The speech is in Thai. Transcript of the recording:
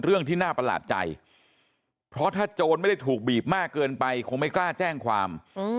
เรื่องที่น่าประหลาดใจเพราะถ้าโจรไม่ได้ถูกบีบมากเกินไปคงไม่กล้าแจ้งความ